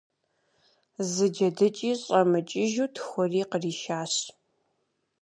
Зы джэдыкӀи щӀэмыкӀыжу тхури къришащ.